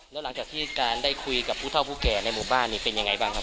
แล้วหลังจากที่การได้คุยกับผู้เท่าผู้แก่ในหมู่บ้านนี่เป็นยังไงบ้างครับ